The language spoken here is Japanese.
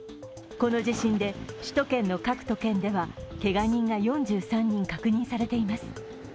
この地震で首都圏の各都県ではけが人が４３人確認されています。